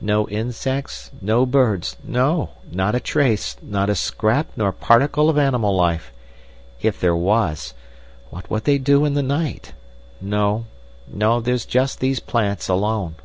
"No insects—no birds, no! Not a trace, not a scrap nor particle of animal life. If there was—what would they do in the night? ... No; there's just these plants alone."